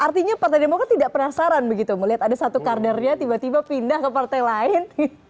artinya partai demokrat tidak penasaran begitu melihat ada satu kadernya tiba tiba pindah ke partai lain